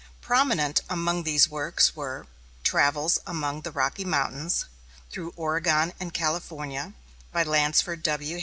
Prominent among these works were "Travels Among the Rocky Mountains, Through Oregon and California," by Lansford W.